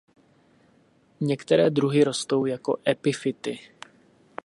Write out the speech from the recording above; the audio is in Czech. Některé druhy rostou jako epifyty.